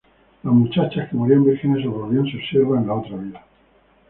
Las muchachas que morían vírgenes se volvían sus siervas en la otra vida.